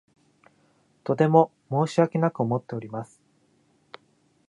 とても申し訳なく思っております。